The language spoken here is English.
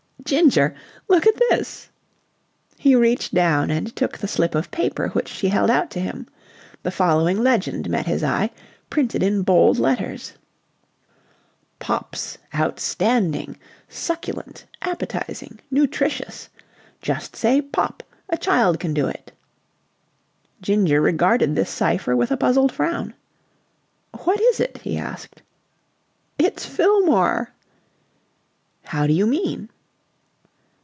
"Ginger, look at this!" He reached down and took the slip of paper which she held out to him. The following legend met his eye, printed in bold letters: POPP'S OUTSTANDING SUCCULENT APPETIZING NUTRITIOUS. (JUST SAY "POP!" A CHILD CAN DO IT.) Ginger regarded this cipher with a puzzled frown. "What is it?" he asked. "It's Fillmore." "How do you mean?"